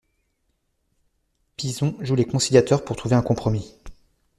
Pison joue les conciliateurs pour trouver un compromis.